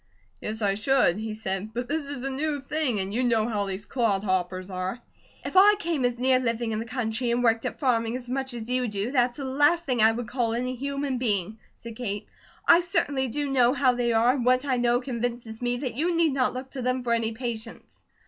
"Yes, I should!" he said. "But this is a new thing, and you know how these clodhoppers are." "If I came as near living in the country, and worked at farming as much as you do, that's the last thing I would call any human being," said Kate. "I certainly do know how they are, and what I know convinces me that you need not look to them for any patients."